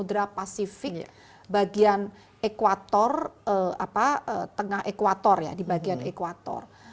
terus kita bisa lihat di bagian bagian tengah ekuator ya di bagian ekuator